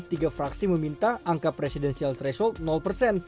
tiga fraksi meminta angka presidensial threshold persen